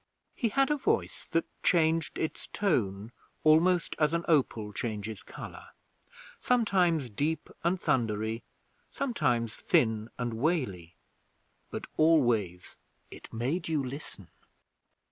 He had a voice that changed its tone almost as an opal changes colour sometimes deep and thundery, sometimes thin and waily, but always it made you listen.